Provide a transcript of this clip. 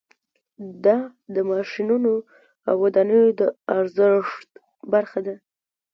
دا د ماشینونو او ودانیو د ارزښت برخه ده